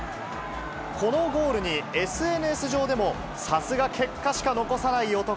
このゴールにＳＮＳ上でも、さすが結果しか残さない男。